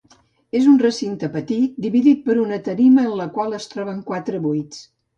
És un recinte petit dividit per una tarima en la qual es troben quatre buits.